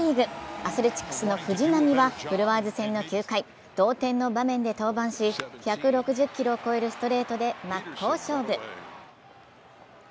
アスレチックスの藤浪はブルワーズ戦の９回、同点の場面で登板し１６０キロを超えるストレートで真っ向勝負。